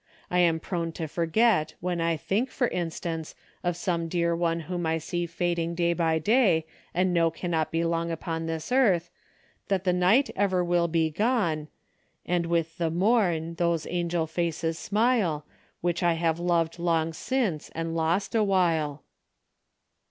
I am prone to forget when I think, for instance, of some dear one whom I see fading day by day and know cannot be long upon this earth, that the night ever will be gone " 'And with the mom, those angel faces smile Which I have loved long since, and lost awhile